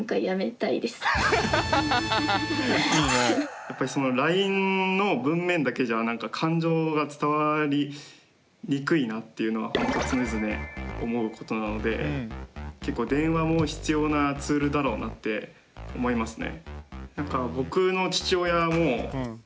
やっぱりそのＬＩＮＥの文面だけじゃなんか感情が伝わりにくいなっていうのはほんと常々思うことなので結構電話も必要なツールだろうなって思いますね。